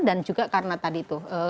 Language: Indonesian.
dan juga karena tadi itu